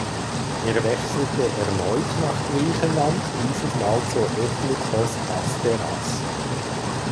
Er wechselte erneut nach Griechenland dieses Mal zu Ethnikos Asteras.